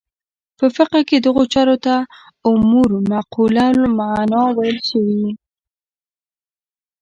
په فقه کې دغو چارو ته امور معقوله المعنی ویل شوي.